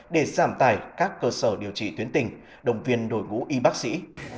để giảm tài các cơ sở điều trị tuyến tình đồng viên đội ngũ y bác sĩ